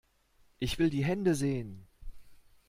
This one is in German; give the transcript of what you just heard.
Ich will die Hände sehen!